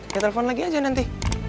ya telfon lagi aja nanti